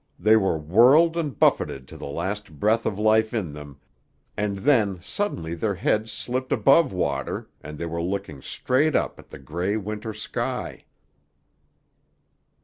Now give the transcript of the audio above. They were whirled and buffeted to the last breath of life in them, and then suddenly their heads slipped above water and they were looking straight up at the gray Winter sky.